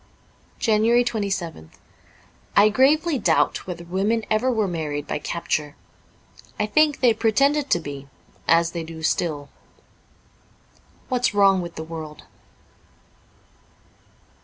^ 27 JANUARY 27th I GRAVELY doubt whether women ever were married by capture. I think they pretended to be ; as they do still. ' What's Wrong with the World.